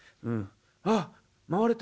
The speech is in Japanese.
あっ回れた！」。